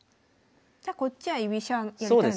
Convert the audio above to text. じゃこっちは居飛車やりたいので。